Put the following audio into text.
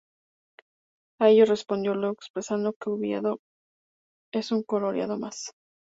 A ello respondió Lugo expresando que Oviedo es ""un colorado más"".